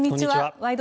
「ワイド！